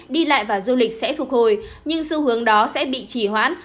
đi lại và du lịch sẽ phục hồi nhưng xu hướng đó sẽ bị chỉ hoãn